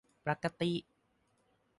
ปรกติ